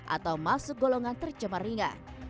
atau masuk golongan tercemar ringan